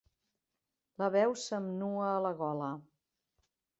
La veu se'm nua a la gola.